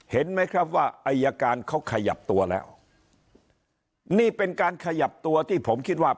เห็นไหมครับว่าอายการเขาขยับตัวแล้วนี่เป็นการขยับตัวที่ผมคิดว่า